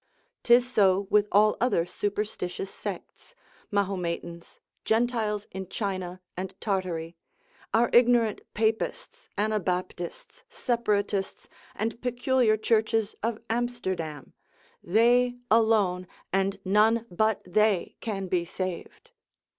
'Tis so with all other superstitious sects, Mahometans, Gentiles in China, and Tartary: our ignorant Papists, Anabaptists, Separatists, and peculiar churches of Amsterdam, they alone, and none but they can be saved.